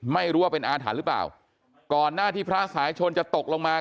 ไม่รู้ว่าเป็นอาถรรพ์หรือเปล่าก่อนหน้าที่พระสายชนจะตกลงมา